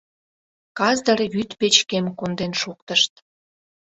Казыр вӱд печкем конден шуктышт...